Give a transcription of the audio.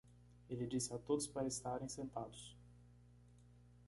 Ele disse a todos para estarem sentados.